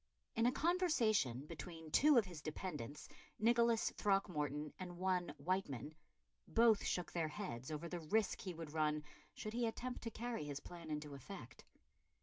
In a conversation between two of his dependants, Nicholas Throckmorton and one Wightman, both shook their heads over the risk he would run should he attempt to carry his plan into effect.